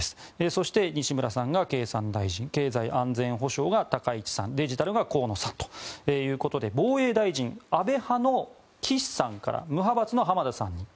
そして西村さんが経産大臣経済安全保障が高市さんデジタルが河野さんということで防衛大臣、安倍派の岸さんから無派閥の浜田さんに。